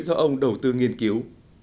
do ông đầu tư nghiên cứu